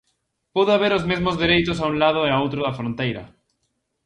Pode haber os mesmos dereitos a un lado e a outro da fronteira.